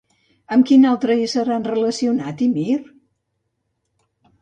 Amb quin altre ésser han relacionat Ymir?